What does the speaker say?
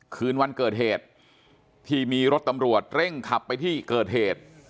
คืนวันเกิดเหตุที่มีรถตำรวจเร่งขับไปที่เกิดเหตุ